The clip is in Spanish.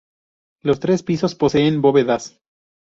Los tres pisos poseen bóvedas.